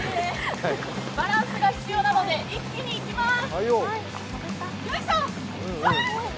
バランスが必要なので一気にいきます、よいしょ。